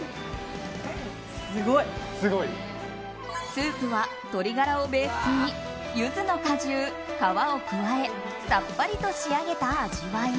スープは鶏ガラをベースにユズの果汁、皮を加えさっぱりと仕上げた味わい。